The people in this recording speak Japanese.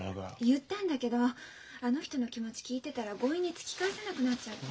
言ったんだけどあの人の気持ち聞いてたら強引に突き返せなくなっちゃって。